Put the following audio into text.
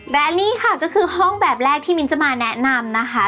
และนี่ค่ะก็คือห้องแบบแรกที่มิ้นจะมาแนะนำนะคะ